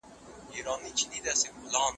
ښار ښکلی وساتئ.